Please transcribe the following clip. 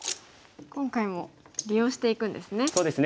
今回も利用していくんですね。